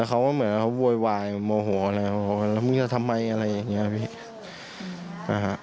เขาก็เหมือนเขาโวยวายโมโหแล้วบอกว่าแล้วมึงจะทำไมอะไรอย่างนี้พี่นะฮะ